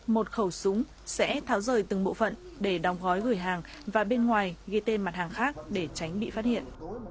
một khẩu súng sẽ tháo rời từng bộ phận để đóng gói gửi hàng và bên ngoài ghi tên mặt hàng khác để tránh bị phát hiện